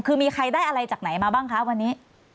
คือมีใครได้อะไรจากไหนมาบ้างคะวันนี้